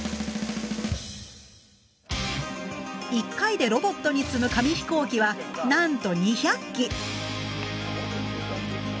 １回でロボットに積む紙飛行機はなんと２００機！